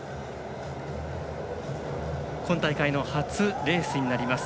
今大会の初レースになります。